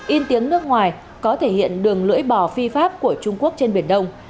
in tiếng nước ngoài có thể hiện đường lưỡi bò phi pháp của trung quốc trên biển đông